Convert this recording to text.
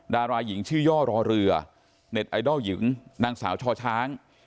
ดาราหญิงชื่อย่อรอเรือเน็ตไอดอลหญิงนางสาวช่อช้าง